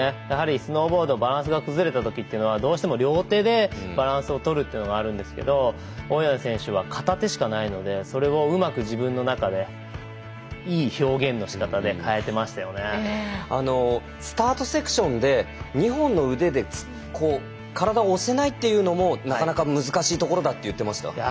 やはりスノーボード、バランスが崩れたときというのはどうしても両手でバランスを取るというのがあるんですけど大岩根選手、片手しかないのでそれをうまく自分の中でいい表現の仕方でスタートセクションで２本の腕で体を押せないというのもなかなか難しいところだと言っていました。